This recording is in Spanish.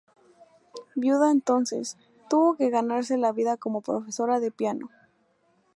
Viuda entonces, tuvo que ganarse la vida como profesora de piano.